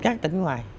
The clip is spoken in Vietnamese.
các tỉnh ngoài